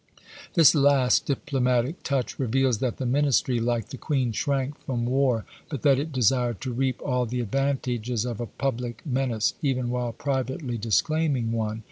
This last diplomatic touch reveals that the Min istry, like the Queen, shrank from war, but that it desired to reap all the advantages of a public men ace, even while privately disclaiming one.